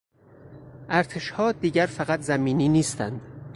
ارتشها دیگر فقط زمینی نیستند.